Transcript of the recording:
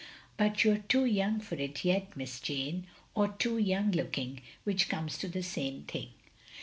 But you 're too young for it yet. Miss Jane, or too young looking, which comes to the same thing.